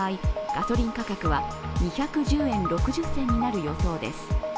ガソリン価格は２１０円６０銭になる予想です。